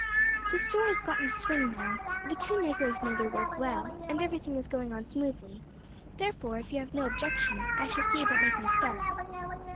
"The store has got into swing now; the two negroes know their work well, and everything is going on smoothly; therefore, if you have no objection, I shall see about making a start."